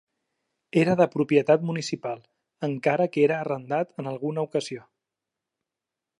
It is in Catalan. Era de propietat municipal, encara que era arrendat en alguna ocasió.